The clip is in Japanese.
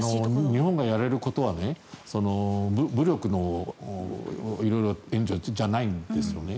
日本がやれることは武力の援助じゃないんですよね。